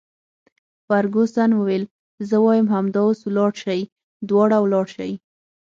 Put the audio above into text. فرګوسن وویل: زه وایم همدا اوس ولاړ شئ، دواړه ولاړ شئ.